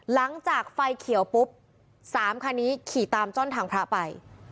หลังจากไฟเขียวปุ๊บ๓คันนี้ขี่ตามจ้อนทางพระไป